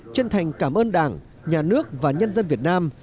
chân thành cảm ơn đảng nhà nước và nhân dân việt nam